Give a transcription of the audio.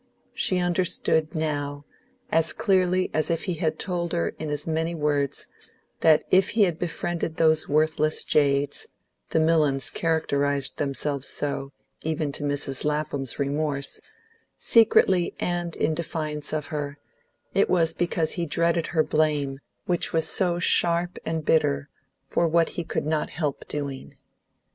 She understood now, as clearly as if he had told her in as many words, that if he had befriended those worthless jades the Millons characterised themselves so, even to Mrs. Lapham's remorse secretly and in defiance of her, it was because he dreaded her blame, which was so sharp and bitter, for what he could not help doing.